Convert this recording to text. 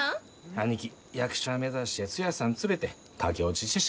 兄貴役者目指してツヤさん連れて駆け落ちしてしもうたんや。